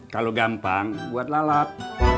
kalau gampang buat lalat